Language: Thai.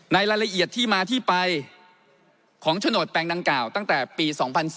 รายละเอียดที่มาที่ไปของโฉนดแปลงดังกล่าวตั้งแต่ปี๒๔